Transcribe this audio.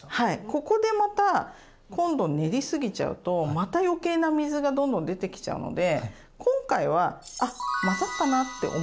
ここでまた今度練り過ぎちゃうとまた余計な水がどんどん出てきちゃうので今回はあっ混ざったなって思うぐらい。